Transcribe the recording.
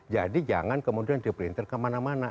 jadi jangan kemudian di printer kemana mana